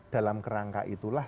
dalam kerangka itulah